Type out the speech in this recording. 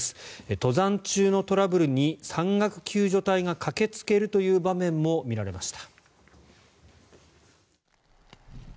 登山中のトラブルに山岳救助隊が駆けつけるという場面も見られました。